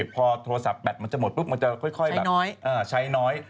พอโทรศัพท์แบตจะหมดมันจะค่อยใช้น้อย